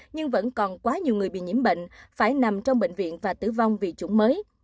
nhưng vẫn còn quá nhiều người bị nhiễm bệnh phải nằm trong bệnh viện và tử vong vì chủng mới